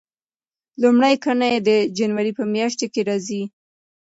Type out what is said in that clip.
لومړۍ ګڼه یې د جنوري په میاشت کې راځي.